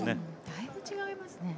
だいぶ違いますね。